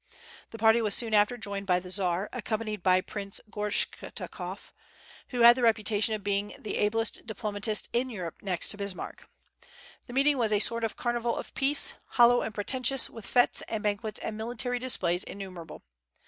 The party was soon after joined by the Czar, accompanied by Prince Gortschakoff, who had the reputation of being the ablest diplomatist in Europe, next to Bismarck. The meeting was a sort of carnival of peace, hollow and pretentious, with fêtes and banquets and military displays innumerable.